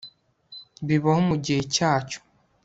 bibaho mu gihe cyacyo